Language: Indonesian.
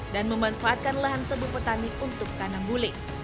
dan memanfaatkan lahan tebu petani untuk tanam bule